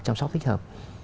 chăm sóc thích hợp